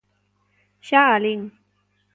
Xa a lin.